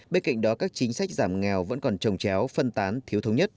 bên cạnh đó các chính sách giảm nghèo vẫn còn trồng chéo phân tán thiếu thống nhất